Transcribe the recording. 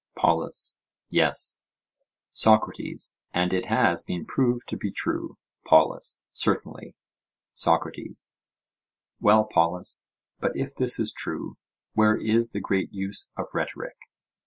POLUS: Yes. SOCRATES: And it has been proved to be true? POLUS: Certainly. SOCRATES: Well, Polus, but if this is true, where is the great use of rhetoric?